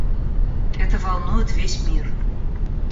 Это волнует весь мир.